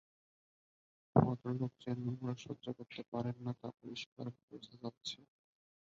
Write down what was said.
ভদ্রলোক যে নোংরা সহ্য করতে পারেন না, তা পরিষ্কার বোঝা যাচ্ছে।